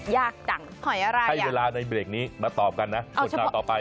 ยากจังอ๋อแค่เวลาในเบรกนี้ตอบกันนะส่วนถังต่อไป